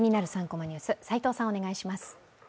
３コマニュース」、齋藤さん、お願いします。